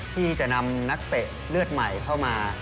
ที่จะนำนักเตะเลือดใหม่เข้ามา